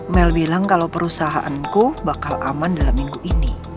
mel bilang kalau perusahaanku bakal aman dalam minggu ini